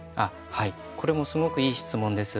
これもすごくいい質問です。